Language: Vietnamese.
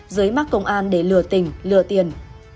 dưới mắt công an để lừa tình lừa tiền